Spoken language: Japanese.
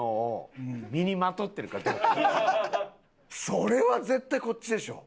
それは絶対こっちでしょ。